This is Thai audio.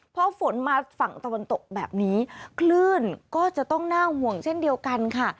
พอฝนมาฝั่งตะวันตกแบบนี้คลื่นก็จะต้องน่าห่วงเช่นเดียวกันค่ะ